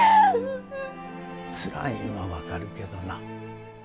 つらいんは分かるけどな。